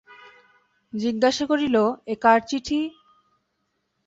জিজ্ঞাসা করিল, এ কাহার চিঠি।